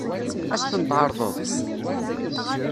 Ad as-ten-tɛeṛḍeḍ?